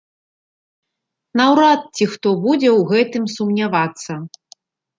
Наўрад ці хто будзе ў гэтым сумнявацца.